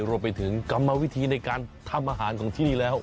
รวมไปถึงกรรมวิธีในการทำอาหารของที่นี่แล้ว